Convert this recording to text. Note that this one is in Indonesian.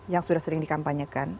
yang sudah sering di kampanyekan